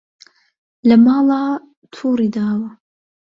لە ماڵا توڕی داوە